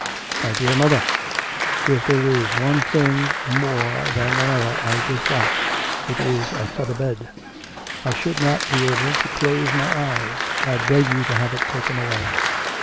'My dear mother, if there is one thing more than another I dislike, it is a feather bed. I should not be able to close my eyes; I beg of you to have it taken away.'